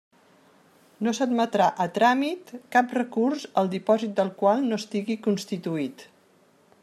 No s'admetrà a tràmit cap recurs el dipòsit del qual no estigui constituït.